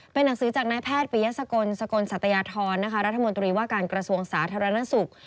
เป็นหนังสือจากนายแพทย์ปริยสกลสกลสัตยาธรรัฐมนตรีว่าการกระทรวงสาธารณสุข